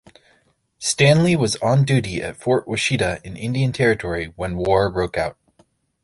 Stanley was on duty at Fort Washita in Indian Territory when war broke out.